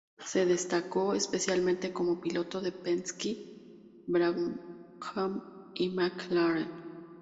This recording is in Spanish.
Se destacó especialmente como piloto de Penske, Brabham y McLaren.